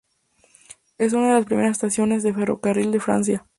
Es una de las primeras estaciones de ferrocarril de Francia.